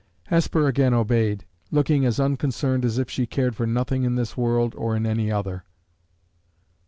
Hesper again obeyed, looking as unconcerned as if she cared for nothing in this world or in any other.